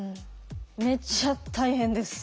めちゃ大変です。